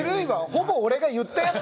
ほぼ俺が言ったやつ！